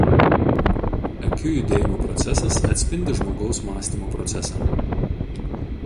Akių judėjimo procesas atspindi žmogaus mąstymo procesą.